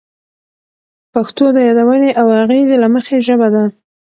پښتو د یادونې او اغیزې له مخې ژبه ده.